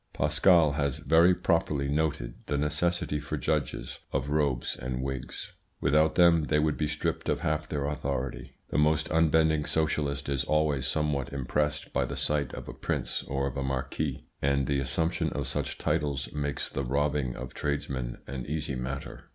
Pascal has very properly noted the necessity for judges of robes and wigs. Without them they would be stripped of half their authority. The most unbending socialist is always somewhat impressed by the sight of a prince or a marquis; and the assumption of such titles makes the robbing of tradesmen an easy matter.